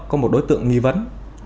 có một đối tượng nghi vấn